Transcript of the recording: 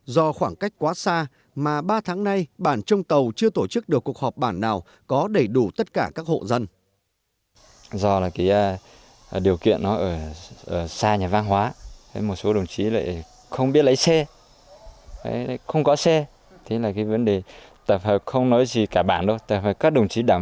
do khoảng cách quá xa mà ba tháng nay bản trong tàu chưa tổ chức được cuộc họp bản nào có đầy đủ tất cả các hộ dân